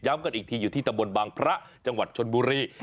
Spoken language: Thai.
ย้ำกันอีกทีอยู่ประจังหวัดชนบุรี